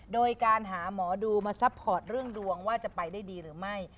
โดยการหาหมอดูมาซัพพอร์ตเรื่องดวงว่าจะไปได้ดีหรือไม่